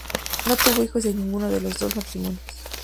No tuvo hijos de ninguno de los dos matrimonios.